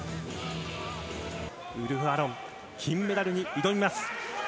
ウルフ・アロン、金メダルに挑みます。